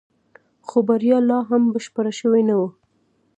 خو بريا لا هم بشپړه شوې نه وه.